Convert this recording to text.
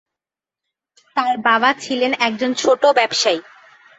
তাঁর বাবা ছিলেন একজন ছোট ব্যবসায়ী।